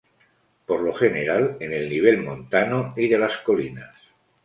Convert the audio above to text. Por lo general en el nivel montano y de las colinas.